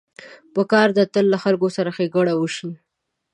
پکار ده تل له خلکو سره ښېګڼه وشي.